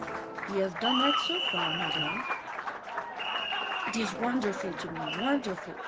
"He has done that so far, Madame." "It is wonderful to me, wonderful!